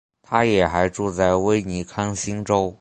她也还住在威斯康星州。